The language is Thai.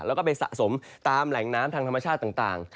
แล้วก็ไปสะสมตามแหล่งน้ำทางธรรมชาติต่าง